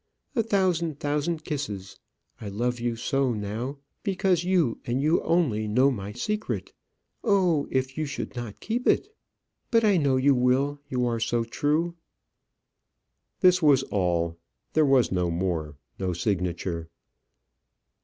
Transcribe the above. A thousand thousand kisses. I love you so now, because you and you only know my secret. Oh, if you should not keep it! But I know you will; you are so true." This was all. There was no more; no signature.